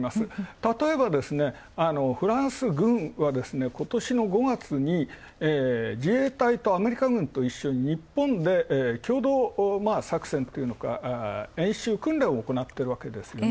たとえば、フランス軍は今年の５月に自衛隊とアメリカ軍と一緒に日本で、共同作戦というのか訓練を行ってるわけですよね。